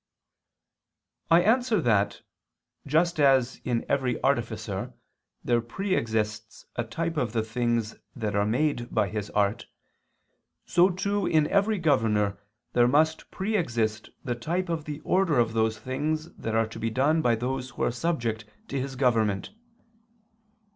I answer that, Just as in every artificer there pre exists a type of the things that are made by his art, so too in every governor there must pre exist the type of the order of those things that are to be done by those who are subject to his government.